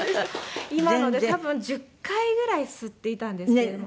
今ので多分１０回ぐらい吸っていたんですけれども。